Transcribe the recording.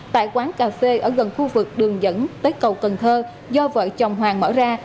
tại quán cà phê ở gần khu vực đường dẫn tới cầu cần thơ do vợ chồng hoàng mở ra